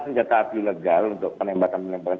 senjata api ilegal untuk penembakan penembakan